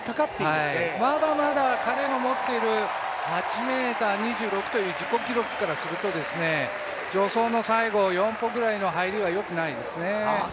まだまだ彼の持っている８ｍ２６という自己記録からすると助走の最後、４歩くらいの入りはよくないですね。